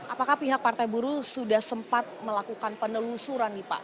apakah pihak partai buruh sudah sempat melakukan penelusuran nih pak